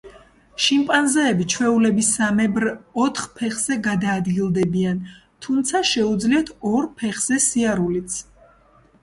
შიმპანზეები ჩვეულებისამებრ ოთხ ფეხზე გადაადგილდებიან, თუმცა შეუძლიათ ორ ფეხზე სიარულიც.